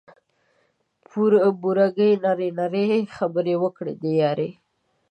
بوره ګي نري نري خبري وکړه د یاري